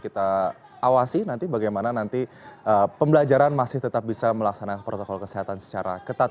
kita awasi nanti bagaimana nanti pembelajaran masih tetap bisa melaksanakan protokol kesehatan secara ketat